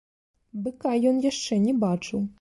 Быка ён яшчэ не бачыў.